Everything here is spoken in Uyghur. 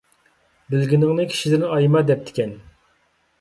بىلگىنىڭنى كىشىدىن ئايىما دەپتىكەن.